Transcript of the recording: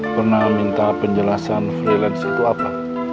pernah minta penjelasan freelance itu apa